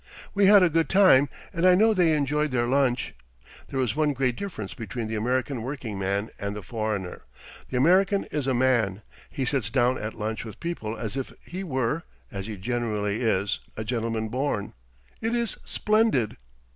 We had a good time, and I know they enjoyed their lunch. There is one great difference between the American working man and the foreigner. The American is a man; he sits down at lunch with people as if he were (as he generally is) a gentleman born. It is splendid.